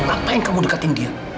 apa yang kamu dekatin dia